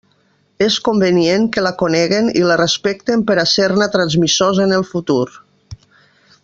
És convenient que la coneguen i la respecten per a ser-ne transmissors en el futur.